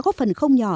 đã có phần không nhỏ